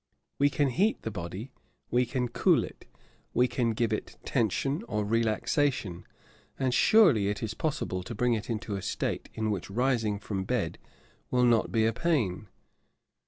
We can heat the body, we can cool it; we can give it tension or relaxation; and surely it is possible to bring it into a state in which rising from bed will not be a pain.